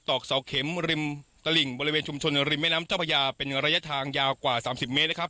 อกเสาเข็มริมตลิ่งบริเวณชุมชนริมแม่น้ำเจ้าพระยาเป็นระยะทางยาวกว่า๓๐เมตรนะครับ